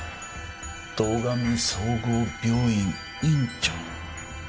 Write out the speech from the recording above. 堂上総合病院院長。